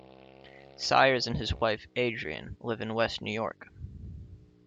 Sires and his wife, Adrienne, live in West New York.